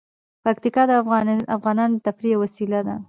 پکتیا د افغانانو د تفریح یوه وسیله ده.